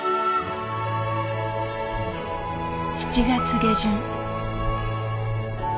７月下旬。